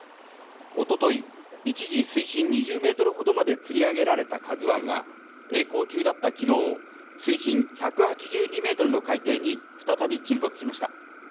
一昨日、一時浸水２０メートルほどまで吊り上げられた「ＫＡＺＵ１」はえい航中だった昨日、水深１８２メートルの海底に再び沈没しました。